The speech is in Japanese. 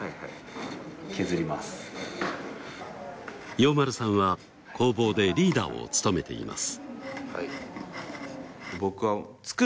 陽輪さんは工房でリーダーを務めています。